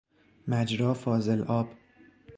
مجرا فاضل آب